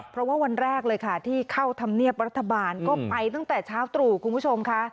เพราะว่าวันแรกเลยค่ะที่เข้าธรรมเนียบรัฐบาลก็ไปตั้งแต่เช้าตรู่คุณผู้ชมค่ะ